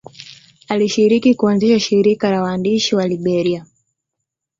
Alishiriki kuanzisha shirika la waandishi wa Liberia.